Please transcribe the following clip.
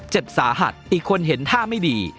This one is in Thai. เจ็บสาหัสอีกคนเห็นท่าไม่ดี